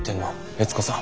悦子さん。